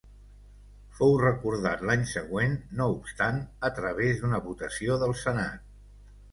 Fou recordat l'any següent, no obstant, a través d'una votació del senat.